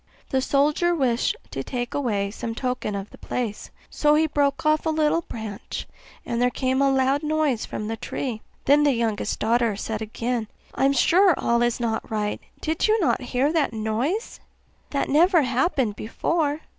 The soldier wished to take away some token of the place; so he broke off a little branch, and there came a loud noise from the tree. Then the youngest daughter said again, 'I am sure all is not right did not you hear that noise? That never happened before.